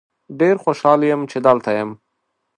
ډیر خوشحال یم چې دلته یم.